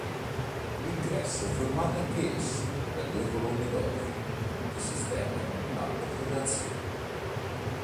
L'ingresso è formato anch'esso da due colonne doriche che sostengono un altro terrazzino.